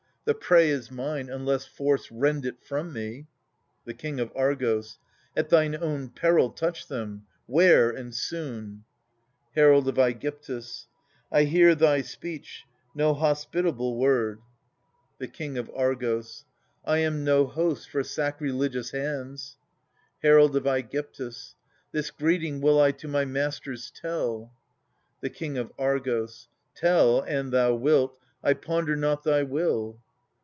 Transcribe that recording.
The prey is mine, unless force rend it from me. The King of Argos. At thine own peril touch them — 'ware, and soon ! Herald of ^gyptus. I hear thy speech, no hospitable word. 46 THE SUPPLIANT MAIDENS. The King of Argos. I am no host for sacrilegious hands. Herald of ^gyptus. This greeting will I to my masters tell. The King of Argos. Tell, an thou wilt — I ponder not thy will.